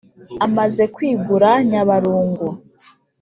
amaze kwigura nyabarungu.